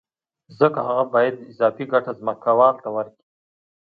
ځکه هغه باید اضافي ګټه ځمکوال ته ورکړي